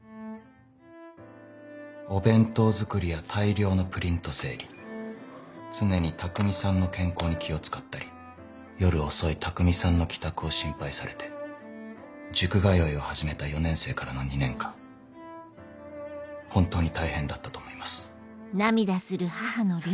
お弁当作りや大量のプリント整理常に匠さんの健康に気を使ったり夜遅い匠さんの帰宅を心配されて塾通いを始めた４年生からの２年間本当に大変だったと思います。